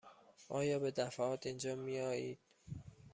آیا به دفعات اینجا می آیید؟